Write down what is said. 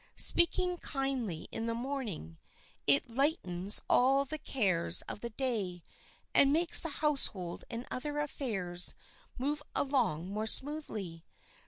Speak kindly in the morning; it lightens all the cares of the day, and makes the household and other affairs move along more smoothly.